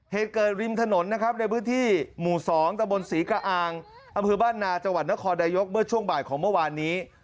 เหตุเกิดริมถนนนะครับในพื้นที่หมู่๒ตะบนศรีกระอางอำเภอบ้านนาจังหวัดนครนายกเมื่อช่วงบ่ายของเมื่อวานนี้